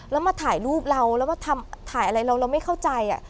แล้วมาถ่ายรูปเราแล้วมาถ่ายอะไรเราเราไม่เข้าใจ